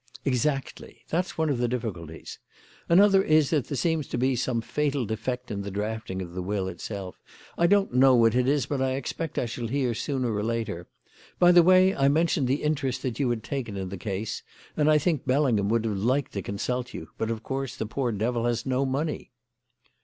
"Exactly. That's one of the difficulties. Another is that there seems to be some fatal defect in the drafting of the will itself. I don't know what it is, but I expect I shall hear sooner or later. By the way, I mentioned the interest that you had taken in the case, and I think Bellingham would have liked to consult you, but, of course, the poor devil has no money."